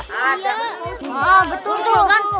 oh betul betul kan